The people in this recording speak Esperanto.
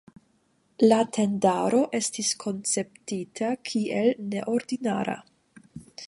La tendaro estis konceptita kiel neordinara.